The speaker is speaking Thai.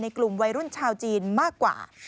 กลุ่มวัยรุ่นชาวจีนมากกว่า